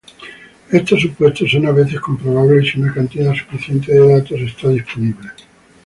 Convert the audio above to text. Estos supuestos son a veces comprobables si una cantidad suficiente de datos está disponible.